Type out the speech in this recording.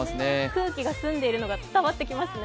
空気が澄んでいるのが伝わっていますね。